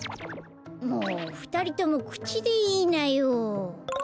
もうふたりともくちでいいなよ。